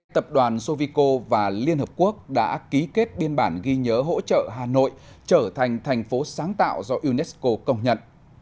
tập đoàn sovico và liên hợp quốc đã ký kết biên bản ghi nhớ hỗ trợ hà nội trở thành thành phố sáng tạo do unesco công nhận